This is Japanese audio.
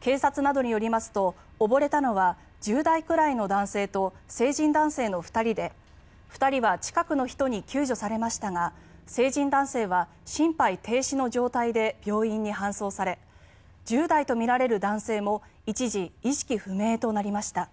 警察などによりますと溺れたのは１０代くらいの男性と成人男性の２人で２人は近くの人に救助されましたが成人男性は心肺停止の状態で病院に搬送され１０代とみられる男性も一時、意識不明となりました。